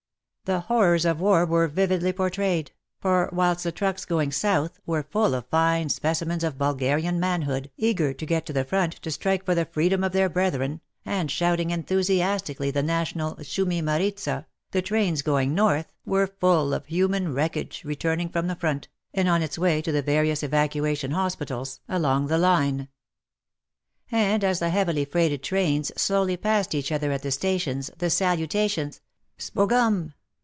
The horrors of war were vividly portrayed, for whilst the trucks going south were full of fine specimens of Bulgarian manhood eager to get to the front to strike for the freedom of their brethren, and shouting enthusiastically the national " Shumi maritza," the trains going north were full of human wreckage returning from the front, and on its way to the various evacuation hospitals 42 WAR AND WOMEN along the line. And as the heavily freighted trains slowly passed each other at the stations, the salutations " Sbogom